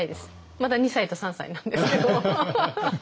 まだ２歳と３歳なんですけど。